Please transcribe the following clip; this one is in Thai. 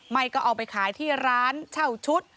ไม่ก็เอาไปขายที่ร้านเช่าชุด